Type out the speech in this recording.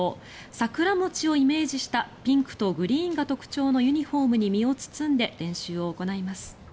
桜餅をイメージしたピンクとグリーンが特徴のユニホームに身を包んで練習を行います。